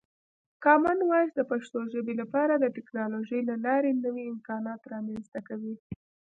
کامن وایس د پښتو ژبې لپاره د ټکنالوژۍ له لارې نوې امکانات رامنځته کوي.